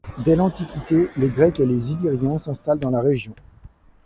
Dès l'Antiquité, les Grecs et les Illyriens s'installent dans la région.